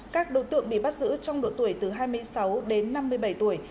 các đối tượng bị bắt giữ trong độ tuổi từ hai mươi sáu đến năm mươi bảy tuổi